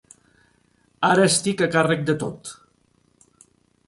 Ara estic a càrrec de tot.